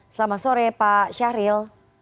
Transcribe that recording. selamat sore pak syahril